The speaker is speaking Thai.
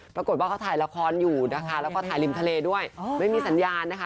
ปรากฏว่าเขาถ่ายละครอยู่นะคะแล้วก็ถ่ายริมทะเลด้วยไม่มีสัญญาณนะคะ